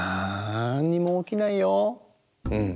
うん。